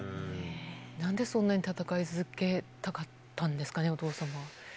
なんでそんなに戦い続けたかったんですかね？